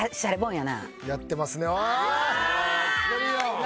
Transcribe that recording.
やってますねわあ！